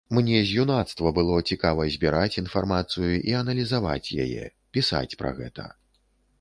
Мне з юнацтва было цікава збіраць інфармацыю і аналізаваць яе, пісаць пра гэта.